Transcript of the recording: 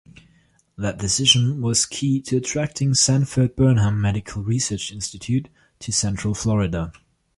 That decision was key to attracting Sanford-Burnham Medical Research Institute to Central Florida.